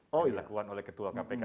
dilakukan oleh ketua kpk